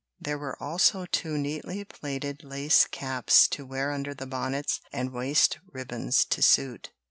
There were also two neatly plaited lace caps to wear under the bonnets, and waist ribbons to suit.